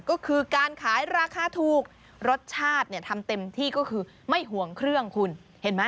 ก็คือการขายราคาถูกรสชาติเนี่ยทำเต็มที่ก็คือไม่ห่วงเครื่องคุณเห็นไหม